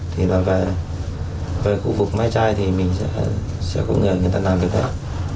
thì là về khu vực mái chai thì mình sẽ có người người ta làm được đấy